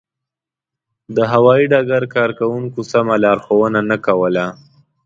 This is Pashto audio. د هوایي ډګر کارکوونکو سمه لارښوونه نه کوله.